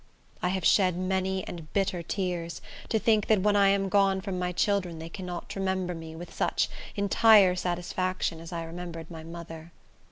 I have shed many and bitter tears, to think that when I am gone from my children they cannot remember me with such entire satisfaction as I remembered my mother.